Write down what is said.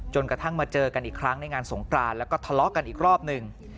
กระทั่งมาเจอกันอีกครั้งในงานสงกรานแล้วก็ทะเลาะกันอีกรอบหนึ่ง